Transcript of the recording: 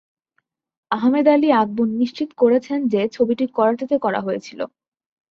আহমেদ আলী আকবর নিশ্চিত করেছেন যে ছবিটি করাচিতে করা হয়েছিল।